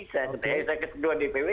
saya kedua dpw